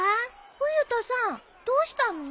冬田さんどうしたの？